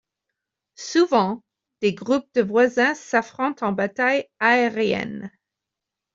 Souvent, des groupes de voisins s'affrontent en bataille aérienne.